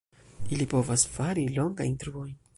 Ili povas fari longajn truojn.